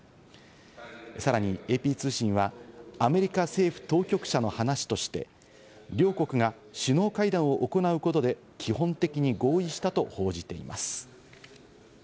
さらにＡＰ通信は、アメリカ政府当局者の話として、両国が首脳会談を行うことで基本的に合意したと報じています。